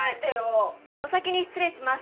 お先に失礼します。